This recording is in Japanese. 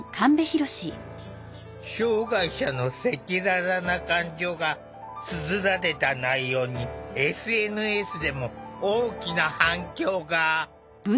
障害者の赤裸々な感情がつづられた内容にＳＮＳでも大きな反響が。